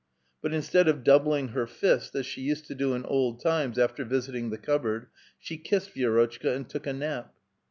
But instead of doubling her fist as she used to do in old times, after visiting the cupboard, she kissed Vi^rotchka and took a nap.